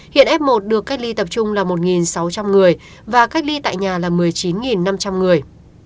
hiện f một được cách ly tập trung là một sáu trăm linh người và cách ly tại nhà là một mươi chín năm trăm linh người